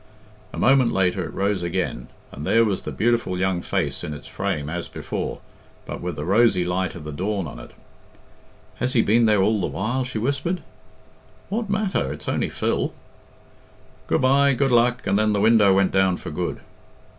A moment later it rose again, and there was the beautiful young face in its frame as before, but with the rosy light of the dawn on it. "Has he been there all the while?" she whispered. "What matter? It's only Phil." "Good bye! Good luck!" and then the window went down for good.